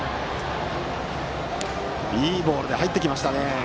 いいボールが入ってきましたね。